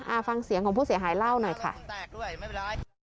อ่าฟังเสียงของผู้เสียหายเล่าหน่อยค่ะแตกด้วยไม่เป็นไร